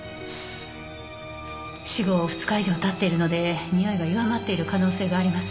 死後２日以上経っているのでにおいが弱まっている可能性があります。